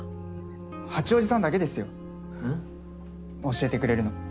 教えてくれるの。